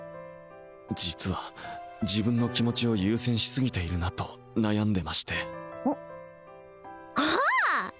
実は自分の気持ちを優先しすぎているなと悩んでましてああ！